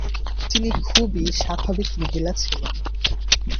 তিনি খুবই স্বাভাবিক মহিলা ছিলেন।